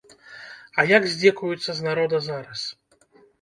А як здзекуюцца з народа зараз?